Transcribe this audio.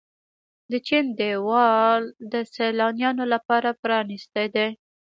د چین دیوار د سیلانیانو لپاره پرانیستی دی.